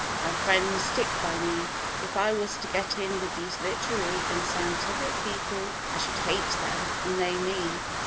My friends stick by me. If I was to get in with these literary and scientific people I should hate them and they me.